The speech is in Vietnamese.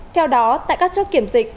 theo đó tại các chỗ kiểm dịch